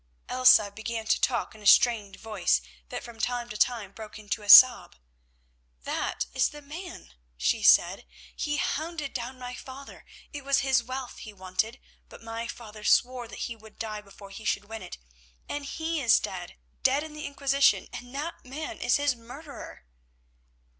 Elsa began to talk in a strained voice that from time to time broke into a sob. "That is the man," she said. "He hounded down my father; it was his wealth he wanted, but my father swore that he would die before he should win it, and he is dead—dead in the Inquisition, and that man is his murderer."